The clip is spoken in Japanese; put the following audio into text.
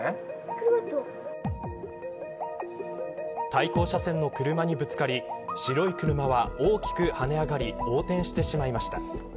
対向車線の車にぶつかり白い車は大きくはね上がり横転してしまいました。